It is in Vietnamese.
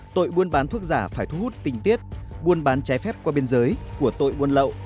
tội buôn bán thuốc giả phải thu hút tình tiết buôn bán trái phép qua biên giới của tội buôn lậu